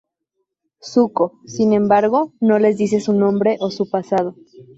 Zuko, sin embargo, no les dice su nombre o su pasado.